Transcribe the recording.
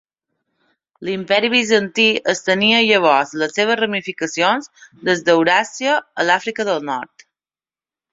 L'Imperi Bizantí estenia llavors les seves ramificacions des d'Euràsia a l'Àfrica del Nord.